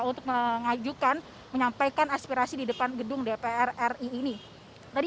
untuk mengajukan menyampaikan aspirasi di depan gedung dpr ri ini tadi